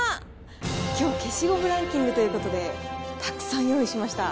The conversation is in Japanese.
きょう、消しゴムランキングということで、たくさん用意しました。